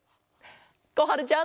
こはるちゃん。